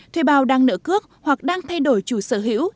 thuê bao đang nợ cước hoặc đang thay đổi chủ sở hữu